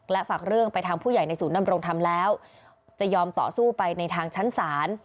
และฝากเรื่องไปทางผู้ใหญ่ในศูนย์ดำรงธรรมแล้วจะยอมต่อสู้ไปในทางชั้นศาล